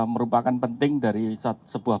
merupakan penting dari sebuah